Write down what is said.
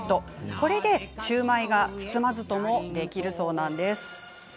これでシューマイが包まずともできるそうなんです。